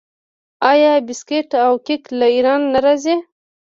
آیا بسکیټ او کیک له ایران نه راځي؟